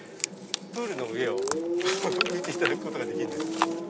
プールの上を浮いていただくことができる。